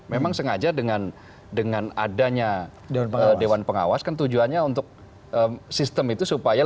memang sengaja dengan adanya dewan pengawas kan tujuannya untuk sistem itu supaya